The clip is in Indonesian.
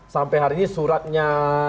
sampai hari ini suratnya